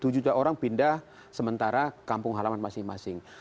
satu juta orang pindah sementara kampung halaman masing masing